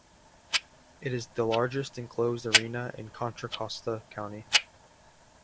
It is the largest enclosed arena in Contra Costa County.